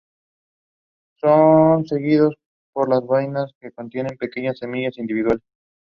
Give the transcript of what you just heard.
Val is kidnapped and taken to Miles as hostage.